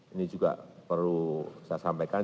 ini juga perlu saya sampaikan